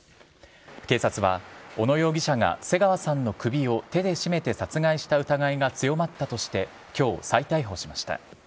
警察は、小野容疑者が瀬川さんの首を手で絞めて殺害した疑いが強まったとして、きょう、再逮捕しました。